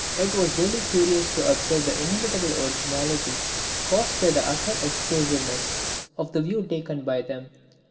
It was really curious to observe the inimitable originality caused by the utter exclusiveness of the view taken by them.